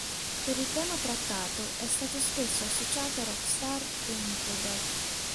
Per il tema trattato, è stato spesso associato a "Rockstar" dei Nickelback.